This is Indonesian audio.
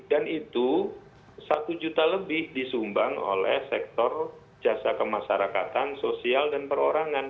dan itu satu juta lebih disumbang oleh sektor jasa kemasyarakatan sosial dan perorangan